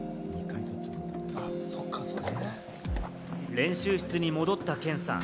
練習室に戻ったケンさん。